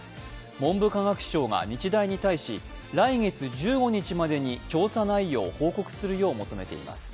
文部科学省が日大に対し来月１５日までに調査内容を報告するよう求めています。